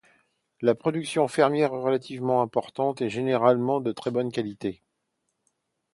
La production fermière est relativement importante et généralement de très bonne qualité.